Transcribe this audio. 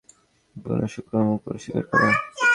বুনো শূকর-মূকর শিকার করে।